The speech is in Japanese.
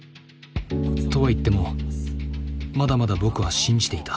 とはいってもまだまだ僕は信じていた。